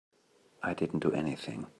I didn't do anything.